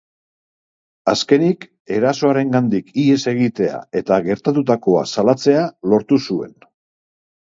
Azkenik, erasoarengandik ihes egitea eta gertatutakoa salatzea lortu zuen.